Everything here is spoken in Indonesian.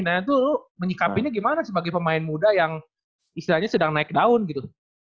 nah itu lu menyikapinnya gimana sih sebagai pemain muda yang istilahnya sedang naik daun gitu